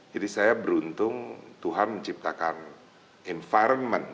jadi saya beruntung tuhan menciptakan environment